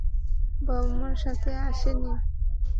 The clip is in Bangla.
বাবা-মা সাথে আসেনি?